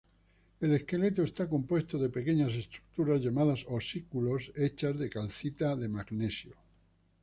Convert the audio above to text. El esqueleto está compuesto de pequeñas estructuras llamadas osículos, hechas de calcita de magnesio.